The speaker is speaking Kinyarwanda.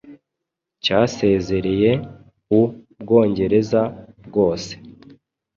cyasezereye u Bwongereza bwose